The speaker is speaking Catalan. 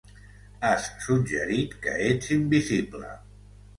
Has suggerit que ets invisible.